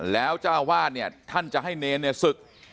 แล้วเจ้าอาวาสเนี่ยท่านจะให้เนรเนี่ยศึก